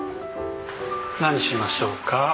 何しましょうか？